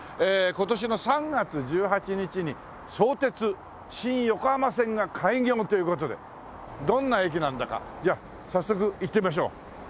今年の３月１８日に相鉄新横浜線が開業という事でどんな駅なんだかじゃあ早速行ってみましょう。